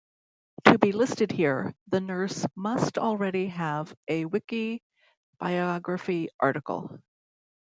To be listed here, the nurse must already have a Wiki biography article.